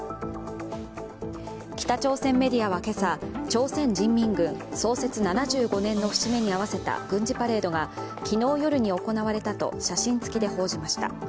北朝鮮メディアは今朝、朝鮮人民軍創設７５年の節目に合わせた軍事パレードが昨日夜に行われたと写真付きで報じました。